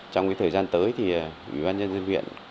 trong thời gian tới thì ủy ban nhân dân huyện